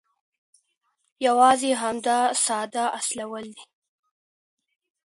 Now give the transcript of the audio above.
یوازې همدا ساده اصول دي.